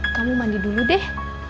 kamu mandi dulu deh